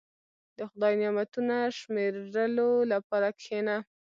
• د خدای نعمتونه شمیرلو لپاره کښېنه.